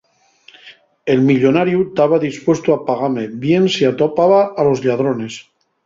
El millonariu taba dispuestu a pagame bien si atopaba a los lladrones.